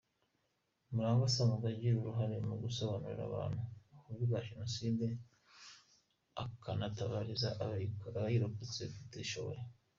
Murangwa asanzwe agira uruhare mu gusobanurira abantu ububi bwa Jenoside akanatabariza abayirokotse batishoboye.